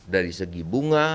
dari segi bunga